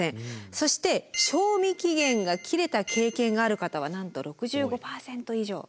そして賞味期限が切れた経験がある方はなんと６５％以上。